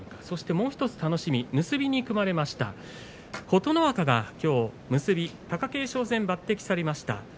そしてもう１つ楽しみな結びに組まれました琴ノ若が、きょう結び貴景勝戦が抜てきされました。